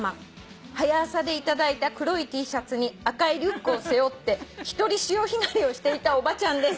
「『はや朝』で頂いた黒いＴシャツに赤いリュックを背負って一人潮干狩りをしていたおばちゃんです」